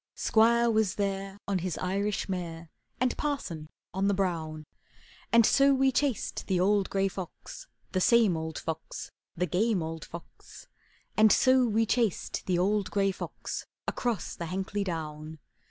Squire was there on his Irish mare, And Parson on the brown; And so we chased the old gray fox, The same old fox, The game old fox, And so we chased the old gray fox Across the Hankley Down.